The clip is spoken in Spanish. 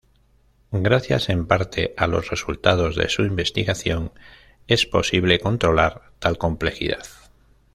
Gracias, en parte, a los resultados de su investigación, es posible controlar tal complejidad.